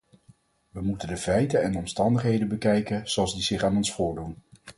We moeten de feiten en omstandigheden bekijken zoals die zich aan ons voordoen.